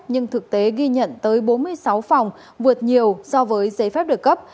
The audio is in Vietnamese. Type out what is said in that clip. nhưng thực tế ghi nhận tới bốn mươi sáu phòng vượt nhiều so với giấy phép được cấp